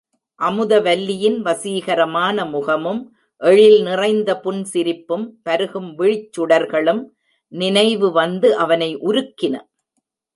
அமுதவல்லியின் வசீகரமான முகமும், எழில் நிறைந்த புன்சிரிப்பும், பருகும் விழிச்சுடர்களும் நினைவு வந்து அவனை உருக்கின.